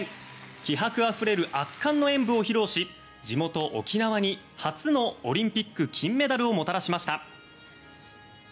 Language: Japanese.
気迫あふれる圧巻の演武を披露し地元・沖縄に初のオリンピック金メダルをもたらしました。